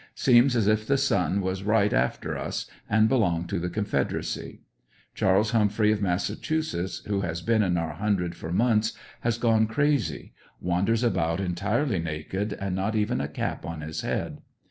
Seems as if the sun was right after us and belonged to the Confederacy. Chas. Humphrey, of Massachusetts, who has been in our hundred for months, has gone crazy; wanders about entirely naked, and not even a cap on his head.